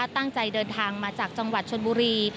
เดินทางมาจากจังหวัดชนบุรี